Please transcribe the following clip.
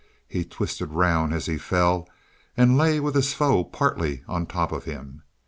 He twisted round as he fell and lay with his foe partly on top of him.